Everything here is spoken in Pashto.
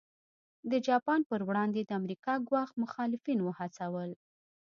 د جاپان پر وړاندې د امریکا ګواښ مخالفین وهڅول.